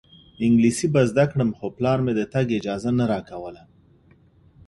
انګلیسي به زده کړم خو پلار مې د تګ اجازه نه راکوله.